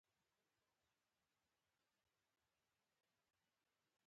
د کارګرانو د خوښۍ چیغې د نوي ژوند په مانا وې